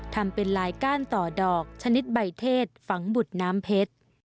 ทำเป็นลายก้านต่อดอกชนิดใบเทศฝังบุตรน้ำเพชร